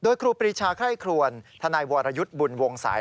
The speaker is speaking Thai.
ครูปรีชาไคร่ครวนทนายวรยุทธ์บุญวงศัย